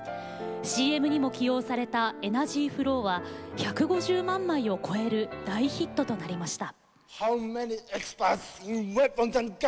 ＣＭにも起用された「ｅｎｅｒｇｙｆｌｏｗ」は１５０万枚を超える大ヒットとなりました。